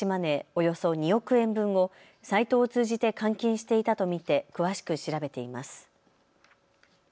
およそ２億円分をサイトを通じて換金していたと見て詳しく調べています。